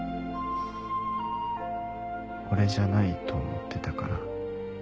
俺じゃないと思ってたからずっと。